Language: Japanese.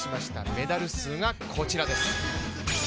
メダル数がこちらです。